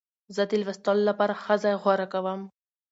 زه د لوستو لپاره ښه ځای غوره کوم.